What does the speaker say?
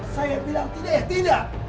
saya bilang tidak eh tidak